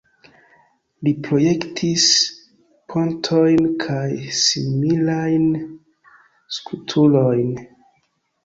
Li projektis pontojn kaj similajn strukturojn.